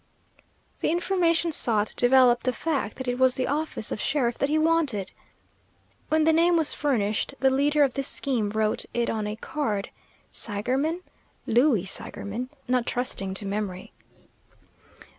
The information sought developed the fact that it was the office of sheriff that he wanted. When the name was furnished, the leader of this scheme wrote it on a card Seigerman, Louie Seigerman, not trusting to memory.